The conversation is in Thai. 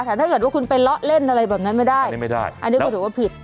แต่ถ้าเกิดว่าคุณไปเลาะเล่นอะไรแบบนั้นไม่ได้ไม่ได้อันนี้ก็ถือว่าผิด